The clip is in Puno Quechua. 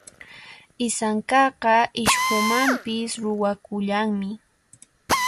Isankaqa Ichhumantapis ruwakullanmi.